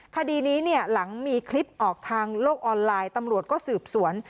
คดีนี้เนี่ยหลังมีคลิปออกทางโลกออนไลน์ตำรวจก็สืบสวน